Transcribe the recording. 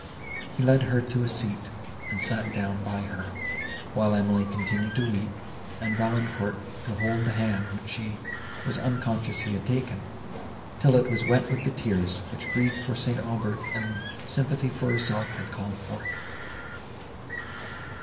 He led her to a seat, and sat down by her, while Emily continued to weep, and Valancourt to hold the hand, which she was unconscious he had taken, till it was wet with the tears, which grief for St. Aubert and sympathy for herself had called forth.